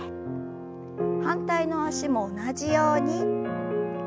反対の脚も同じように。